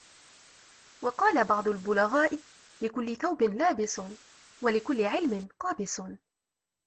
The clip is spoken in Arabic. وَقَالَ بَعْضُ الْبُلَغَاءِ لِكُلِّ ثَوْبٍ لَابِسٌ ، وَلِكُلِّ عِلْمٍ قَابِسٌ